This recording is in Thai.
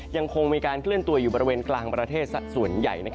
ยังคงมีการเคลื่อนตัวอยู่บริเวณกลางประเทศสักส่วนใหญ่